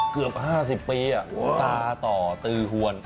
เกือบ๕๐ปีซาตอร์ตือฮวน